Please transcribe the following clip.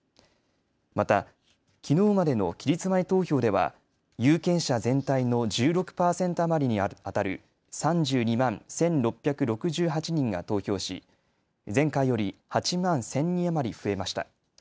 またきのうまでの期日前投票では有権者全体の１６％余りにあたる３２万１６６８人が投票し前回より８万１０００人余り増えました。